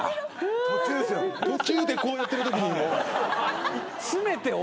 途中でこうやってるときにもう。